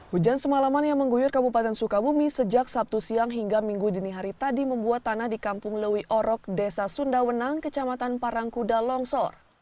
hujan semalaman yang mengguyur kabupaten sukabumi sejak sabtu siang hingga minggu dini hari tadi membuat tanah di kampung lewi orok desa sundawenang kecamatan parangkuda longsor